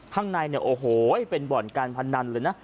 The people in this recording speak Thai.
ข้างในเป็นบ่อนการพันดันเลยนะ